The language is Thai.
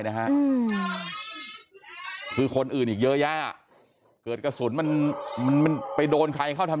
นะฮะคือคนอื่นอีกเยอะแยะเกิดกระสุนมันมันไปโดนใครเข้าทำ